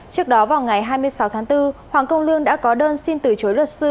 trước đó vào ngày hai mươi sáu tháng bốn hoàng công lương đã có đơn xin từ chối luật sư